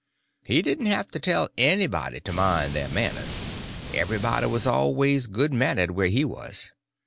He didn't ever have to tell anybody to mind their manners—everybody was always good mannered where he was.